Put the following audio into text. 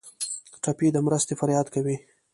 ټپي د مرستې فریاد کوي.